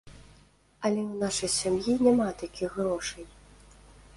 Але ў нашай сям'і няма такіх грошай.